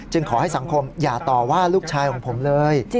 ขอให้สังคมอย่าต่อว่าลูกชายของผมเลย